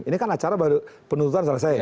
ini kan acara baru penuntutan selesai